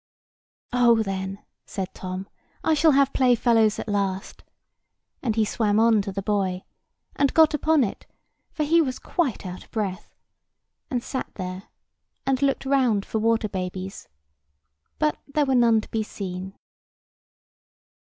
"Oh, then," said Tom, "I shall have playfellows at last," and he swam on to the buoy, and got upon it (for he was quite out of breath) and sat there, and looked round for water babies: but there were none to be seen.